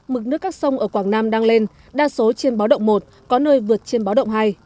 mực nước các sông ở quảng nam đang lên đa số trên báo động một có nơi vượt trên báo động hai